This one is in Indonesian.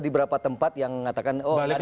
di beberapa tempat yang mengatakan oh ada